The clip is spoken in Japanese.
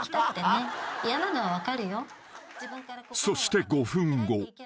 ［そして５分後。